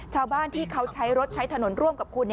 ชาวบ้านที่เขาใช้รถใช้ถนนร่วมกับคุณ